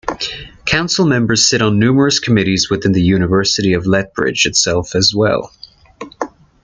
Council members sit on numerous committees within the University of Lethbridge itself as well.